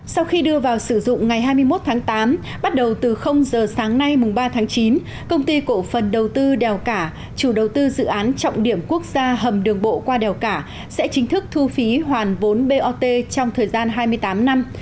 sau khi đưa vào sử dụng ngày hai mươi một tháng tám bắt đầu từ giờ sáng nay mùng ba tháng chín công ty cổ phần đầu tư đèo cả chủ đầu tư dự án trọng điểm quốc gia hầm đường bộ qua đèo cả sẽ chính thức thu phí hoàn vốn bot trong thời gian hai mươi tám năm